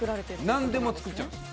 何でも作っちゃうんです。